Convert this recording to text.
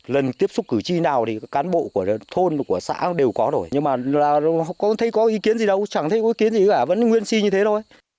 lần tiếp xúc cử tri nào thì cán bộ của thôn của xã đều có rồi nhưng mà thấy có ý kiến gì đâu chẳng thấy có ý kiến gì cả vẫn nguyên si như thế thôi